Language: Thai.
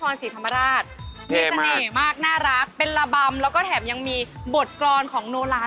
อ๋อนี่แหละเซ็นโซกี้อ๋อนี่แหละเซ็นโซกี้